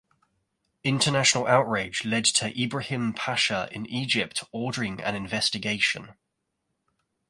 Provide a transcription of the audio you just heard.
International outrage led to Ibrahim Pasha in Egypt ordering an investigation.